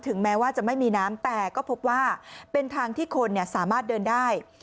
แม้ว่าจะไม่มีน้ำแต่ก็พบว่าเป็นทางที่คนสามารถเดินได้